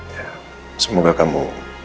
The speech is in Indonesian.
ya semoga kamu